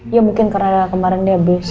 iya mungkin karena kemarin dia habis